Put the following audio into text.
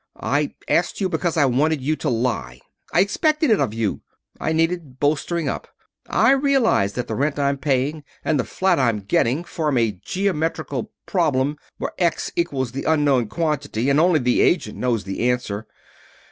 I asked you because I wanted you to lie. I expected it of you. I needed bolstering up. I realize that the rent I'm paying and the flat I'm getting form a geometrical problem where X equals the unknown quantity and only the agent knows the answer.